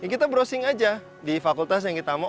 kita browsing aja di fakultas yang kita mau